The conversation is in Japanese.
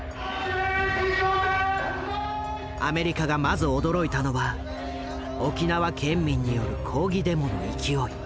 アメリカがまず驚いたのは沖縄県民による抗議デモの勢い。